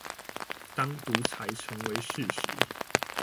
當獨裁成為事實